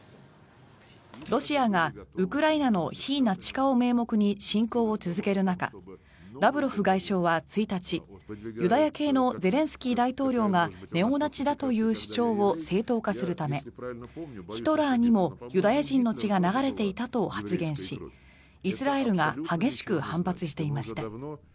ロシアがウクライナの非ナチ化を名目に侵攻を続ける中ラブロフ外相は１日ユダヤ系のゼレンスキー大統領がネオナチだという主張を正当化するためヒトラーにもユダヤ人の血が流れていたと発言しイスラエルが激しく反発していました。